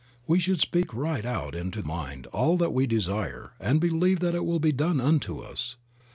We should speak right out into mind all that we desire, and believe that it will be done unto us.